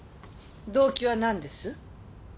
動機はなんです？